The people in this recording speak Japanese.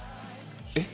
えっ？